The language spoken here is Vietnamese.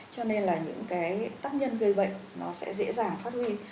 cho nên là những tác nhân gây bệnh sẽ dễ dàng phát huy